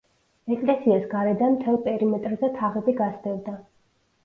ეკლესიას გარედან მთელ პერიმეტრზე თაღები გასდევდა.